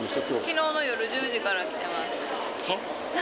きのうの夜１０時から来てまは？